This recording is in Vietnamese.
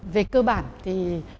về cơ bản thì